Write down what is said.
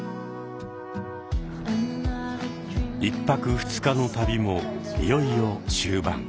１泊２日の旅もいよいよ終盤。